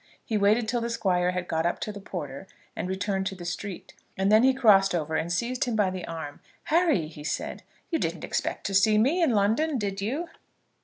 He waited till the Squire had gone up to the porter and returned to the street, and then he crossed over and seized him by the arm. "Harry," he said, "you didn't expect to see me in London; did you?"